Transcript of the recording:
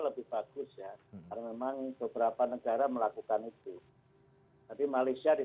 langkah itu bisa dilakukan